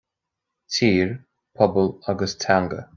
Tír, Pobal agus Teanga